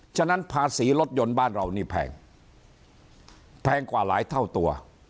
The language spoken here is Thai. ฉะนั้นภาษีรถยนต์บ้านเรานี่แพงแพงกว่าหลายเท่าตัว